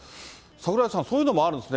櫻井さん、そういうのもあるんですね。